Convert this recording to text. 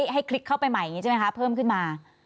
ให้คลิกเข้าไปใหม่ใช่ไหมครับเพิ่มขึ้นมา